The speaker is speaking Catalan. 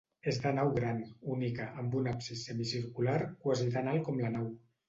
És de nau gran, única, amb un absis semicircular quasi tan alt com la nau.